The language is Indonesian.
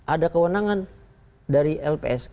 ada kewenangan dari lpsk